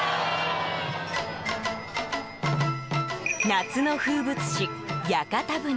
夏の風物詩、屋形船。